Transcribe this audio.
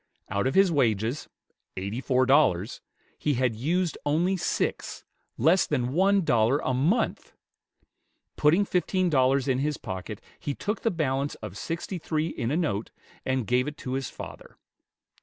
Out of his wages eighty four dollars he had used only six, less than one dollar a mouth! Putting fifteen dollars in his pocket, he took the balance of sixty three in a note, and gave it to his father.